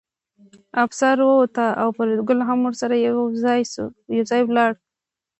افسر ووت او فریدګل هم ورسره یوځای لاړ